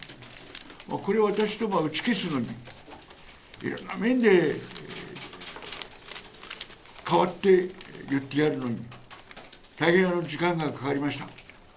これを私どは打ち消すのに、いろんな面で代わって言ってやるのに大変な時間がかかりました。